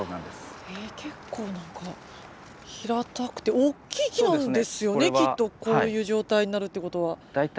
へ結構何か平たくて大きい木なんですよねきっとこういう状態になるってことは。